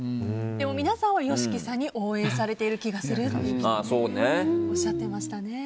皆さんはＹＯＳＨＩＫＩさんに応援されている気がするとおっしゃってましたね。